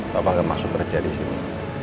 papa gak masuk kerja disini